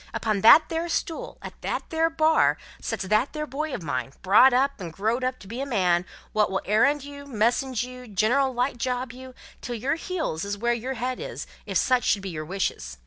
Upon that there stool, at that there Bar, sets that there boy of mine, brought up and growed up to be a man, wot will errand you, message you, general light job you, till your heels is where your head is, if such should be your wishes.